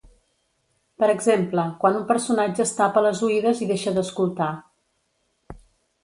Per exemple, quan un personatge es tapa les oïdes i deixa d'escoltar.